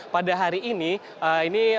pada hari ini ini